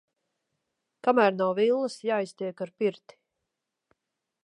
Kamēr nav villas, jāiztiek ar pirti.